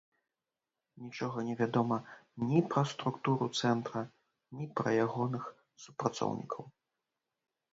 Нічога невядома ні пра структуру цэнтра, ні пра ягоных супрацоўнікаў.